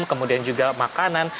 kemudian juga makanan